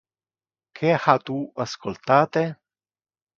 Que ha tu ascoltate?